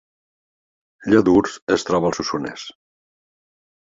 Lladurs es troba al Solsonès